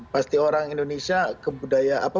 pasti orang indonesia kebudayaan apa